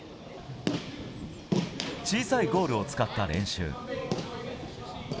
小さいゴールを使った練習。